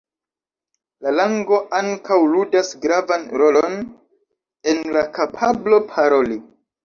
La lango ankaŭ ludas gravan rolon en la kapablo paroli.